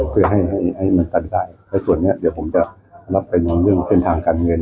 เพื่อให้ให้มันตันใจแล้วส่วนเนี้ยเดี๋ยวผมจะรับไปในเรื่องเส้นทางการเงิน